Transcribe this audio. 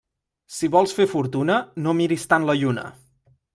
Si vols fer fortuna, no miris tant la lluna.